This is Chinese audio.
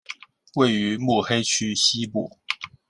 位于目黑区西部。